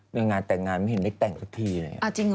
มีงานแต่งงานไม่เห็นได้แต่งสักทีเลย